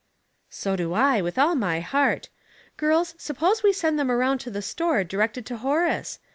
" So do I with all my heart. Girls, suppose we send them around to the store directed to Horace